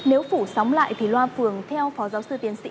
nếu phủ sóng lại thì loa phường theo phó giáo sư tiến sĩ